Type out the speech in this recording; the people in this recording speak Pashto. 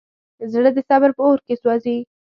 زړه د صبر په اور کې سوځي.